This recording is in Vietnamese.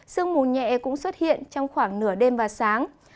sương mù nhẹ cũng xuất hiện trong khoảng nửa đêm và sáng